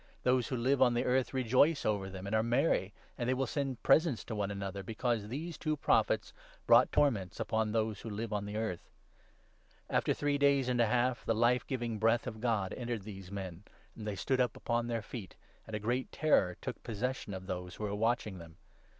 Those who live 10 on the earth rejoice over them and are merry, and they will send presents to one another, because these two Prophets brought torments upon those who live on the earth. After three 1 1 days and a half ' the life giving breath of God entered these men, and they stood up upon their feet,' and a great terror took possession of those who were watching them.